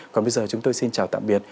còn bây giờ chúng tôi xin chào tạm biệt